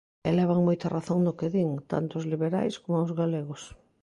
E levan moita razón no que din, tanto os liberais coma os galegos.